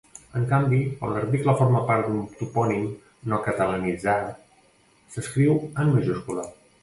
En canvi, quan l'article forma part d'un topònim no catalanitzat s'escriu en majúscula.